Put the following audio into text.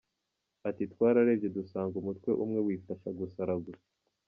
Ati Twararebye dusanga umutwe umwe wifasha gusara gusa.